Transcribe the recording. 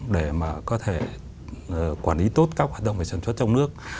để mà có thể quản lý tốt các hoạt động về sản xuất trong nước